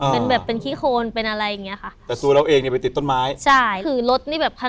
เป็นแบบเป็นขี้โคนเป็นอะไรอย่างนี้ค่ะ